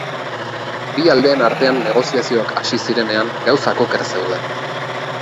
Bi aldeen artean negoziazioak hasi zirenean gauzak oker zeuden.